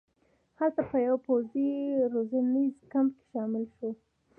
هلته په یوه پوځي روزنیز کمپ کې شامل شو.